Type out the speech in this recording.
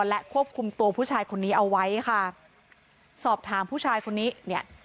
และควบคุมตัวผู้ชายคนนี้เอาไว้ค่ะสอบถามผู้ชายคนนี้เนี่ย